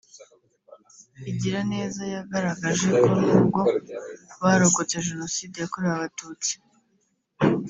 Igiraneza yagaragaje ko nubwo barokotse Jenoside yakorewe Abatutsi